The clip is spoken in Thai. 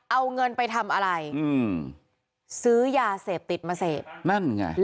เอาเงินไปทำอะไรอืมซื้อยาเสพติดมาเสพนั่นไง